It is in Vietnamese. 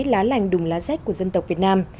lá lành đùm lá rách của dân tộc việt nam